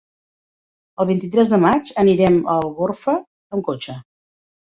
El vint-i-tres de maig anirem a Algorfa amb cotxe.